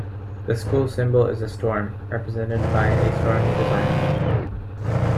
The school symbol is a Storm, represented by a storm design.